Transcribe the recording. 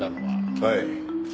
はい。